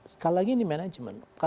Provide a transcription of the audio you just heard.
sekali lagi ini management